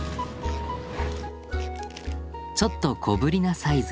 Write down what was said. ちょっと小ぶりなサイズ。